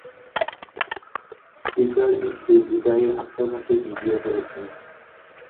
Speaker একটি বিদায়ী আত্মঘাতী ভিডিও করেছেন।